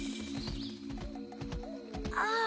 ああ！